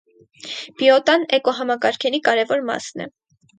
Բիոտան էկոհամակարգերի կարևոր մասն է։